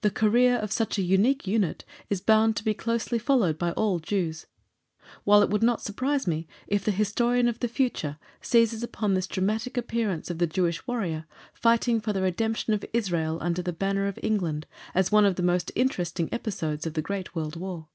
The career of such a unique unit is bound to be closely followed by all Jews, while it would not surprise me if the historian of the future seizes upon this dramatic appearance of the Jewish warrior, fighting for the redemption of Israel under the banner of England, as one of the most interesting episodes of the great World War.